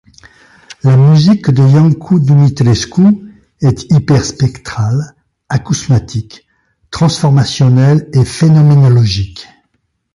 La musique de Iancu Dumitrescu est hyper-spectrale, acousmatique, transformationnelle et phénoménologique.